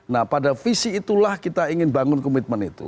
nah pada visi itulah kita ingin bangun komitmen itu